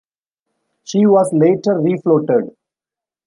She was later refloated.